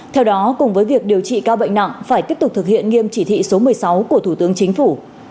theo đó cùng với việc điều trị ca bệnh nặng phải tiếp tục thực hiện nghiêm chỉ thị số một mươi sáu của thủ tướng chính phủ